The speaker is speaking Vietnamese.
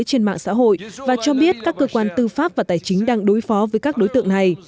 của các loại xã hội và cho biết các cơ quan tư pháp và tài chính đang đối phó với các đối tượng này